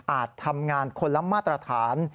ทำงานคนละมาตรฐาน